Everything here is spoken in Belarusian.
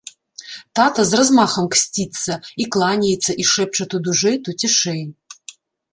Тата з размахам ксціцца, і кланяецца, і шэпча то дужэй, то цішэй.